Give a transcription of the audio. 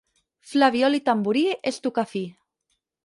Flabiol i tamborí és tocar fi.